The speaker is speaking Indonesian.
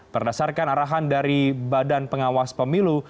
berdasarkan arahan dari badan pengawas pemilu